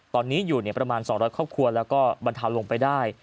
ตอนนี้อยู่ประมาณ๒๐๐ครอบครัวแล้วก็บรรเทาลงไปได้